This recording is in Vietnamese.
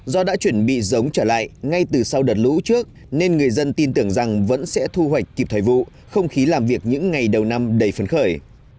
do đã chuẩn bị giống trở lại ngay từ sau đợt lũ trước nên người dân tin tưởng rằng vẫn sẽ thu hoạch kịp thời vụ không khí làm việc những ngày đầu năm đầy phấn khởi